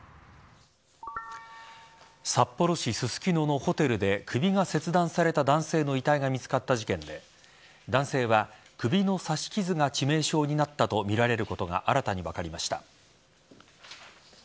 札幌市ススキノのホテルで首が切断された男性の遺体が見つかった事件で男性は首の刺し傷が致命傷になったとみられることが新たに分かりました。